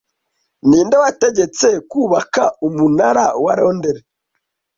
Ninde wategetse kubaka umunara wa Londere